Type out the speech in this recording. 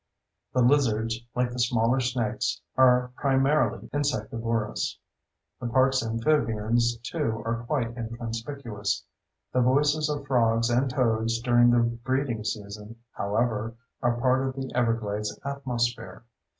The lizards, like the smaller snakes, are primarily insectivorous. The park's amphibians, too, are quite inconspicuous. The voices of frogs and toads during the breeding season, however, are part of the Everglades atmosphere.